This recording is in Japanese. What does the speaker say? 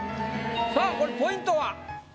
さあこれポイントは？